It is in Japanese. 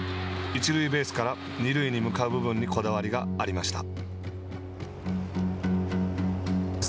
一塁ベースから二塁に向かう部分にこだわりがありました。